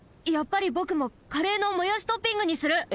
やっぱりぼくもカレーのもやしトッピングにする！